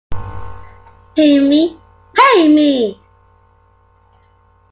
Pin Me, Pay Me!